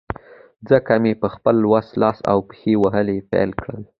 ځکه مې په خپل وس، لاس او پښې وهل پیل کړل.